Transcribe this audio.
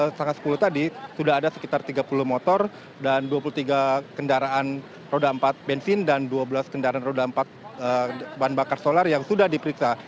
sejak sepuluh tadi sudah ada sekitar tiga puluh motor dan dua puluh tiga kendaraan roda empat bensin dan dua belas kendaraan roda empat bahan bakar solar yang sudah diperiksa